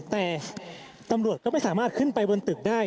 แต่ตำรวจก็ไม่สามารถขึ้นไปบนตึกได้